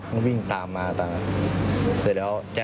แล้วมันก็ตามมาต่างนั้น